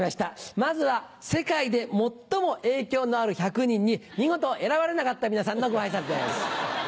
まずは世界で最も影響のある１００人に見事選ばれなかった皆さんのご挨拶です。